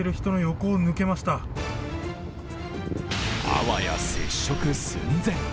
あわや接触寸前。